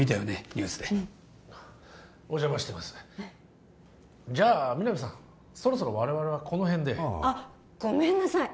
ニュースでうんお邪魔してますじゃあ皆実さんそろそろ我々はこのへんであっごめんなさい